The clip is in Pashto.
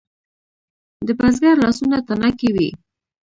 د بزګر لاسونه تڼاکې وي.